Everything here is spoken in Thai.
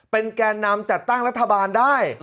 เป็นแก่นำจัดตั้งรัฐบาลได้